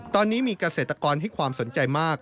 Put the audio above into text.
ตอนนี้มีเกษตรกรให้ความสนใจมาก